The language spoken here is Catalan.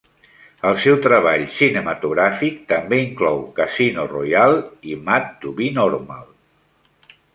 El seu treball cinematogràfic també inclou "Casino Royale" i "Mad to Be Normal".